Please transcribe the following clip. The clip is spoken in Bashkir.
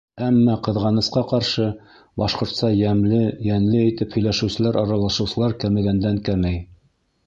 Әммә, ҡыҙғанысҡа ҡаршы, башҡортса йәмле, йәнле итеп һөйләшеүселәр, аралашыусылар кәмегәндән-кәмей.